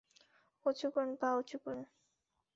উঁচু করুন, পা উঁচু করুন।